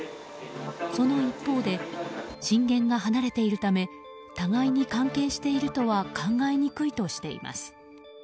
その一方で震源が離れているため互いに関係しているとは考えにくいとしています。